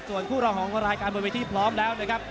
ส่วนคู่รองของรายการบนเวทีพร้อมแล้วนะครับ